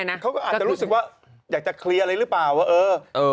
เขาก็อาจจะรู้สึกว่าอยากจะเคลียร์อะไรหรือเปล่าว่าเออ